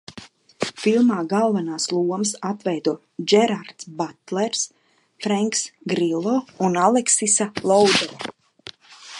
Filmā galvenās lomas atveido Džerards Batlers, Frenks Grillo un Aleksisa Loudere.